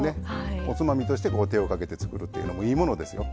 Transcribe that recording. おつまみとして手をかけて作るっていうのもいいものですよ。